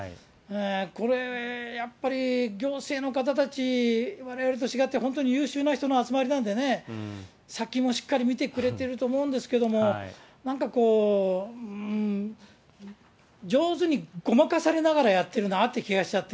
これ、やっぱり、行政の方たち、われわれと違って本当に優秀な人の集まりなんでね、先もしっかり見てくれてると思うんですけど、なんかこう、上手にごまかされながらやってるなって気がしちゃって。